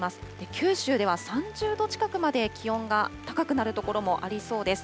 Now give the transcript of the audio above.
九州では３０度近くまで気温が高くなる所もありそうです。